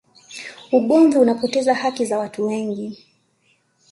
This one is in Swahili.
ugomvi unapoteza haki za watu wengi